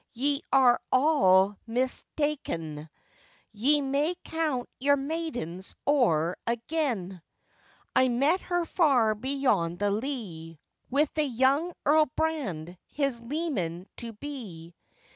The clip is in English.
ye are all mista'en, Ye may count your maidens owre again. 'I met her far beyond the lea With the young Earl Brand his leman to be.